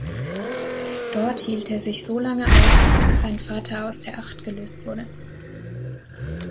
Dort hielt er sich solange auf, bis sein Vater "aus der Acht" gelöst wurde.